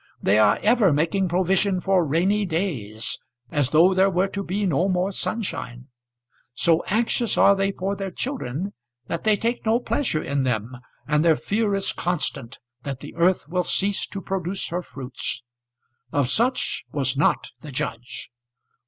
They are ever making provision for rainy days, as though there were to be no more sunshine. So anxious are they for their children that they take no pleasure in them, and their fear is constant that the earth will cease to produce her fruits. Of such was not the judge.